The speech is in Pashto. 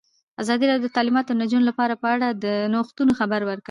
ازادي راډیو د تعلیمات د نجونو لپاره په اړه د نوښتونو خبر ورکړی.